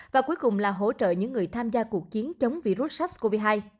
và cuối cùng là hỗ trợ những người tham gia cuộc chiến chống virus sars cov hai